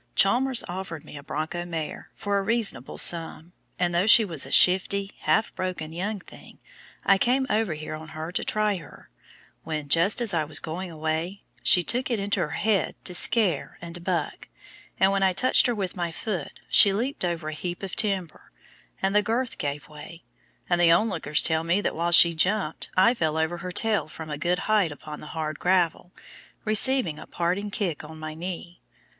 Chalmers offered me a bronco mare for a reasonable sum, and though she was a shifty, half broken young thing, I came over here on her to try her, when, just as I was going away, she took into her head to "scare" and "buck," and when I touched her with my foot she leaped over a heap of timber, and the girth gave way, and the onlookers tell me that while she jumped I fell over her tail from a good height upon the hard gravel, receiving a parting kick on my knee.